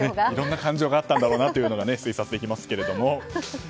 いろんな感情があったんだろうなと推察できますけれども。